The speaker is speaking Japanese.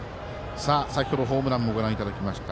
先ほどホームランもご覧いただきました